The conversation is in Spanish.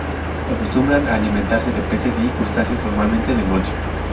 Acostumbran a alimentarse de peces y crustáceos, normalmente de noche.